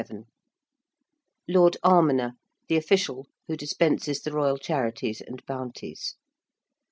~Lord Almoner~: the official who dispenses the royal charities and bounties.